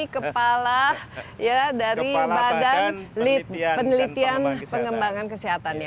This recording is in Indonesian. kepala badan penelitian pengembangan kesehatan